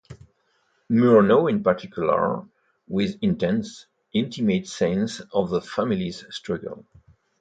Murnau in particular, with intense, intimate scenes of the family's struggle.